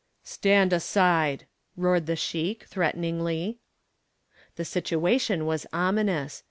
"Stand aside!" roared the sheik threateningly. The situation was ominous.